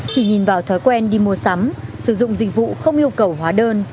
chỉ nhìn vào thói quen đi mua sắm sử dụng dịch vụ không yêu cầu hóa đơn